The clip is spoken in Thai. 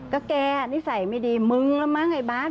ก็แกนิสัยไม่ดีมึงแล้วมั้งไอ้บ้าน